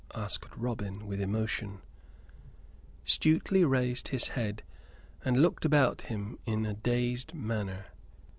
asked Robin, with emotion. Stuteley raised his head and looked about him in a dazed manner.